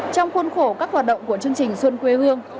trong khuôn khổ các hoạt động của chương trình xuân quê hương